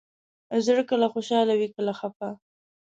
زړه کله خوشحاله وي، کله خفه.